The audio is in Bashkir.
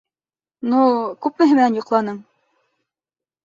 Ну... күпмеһе менән йоҡланың?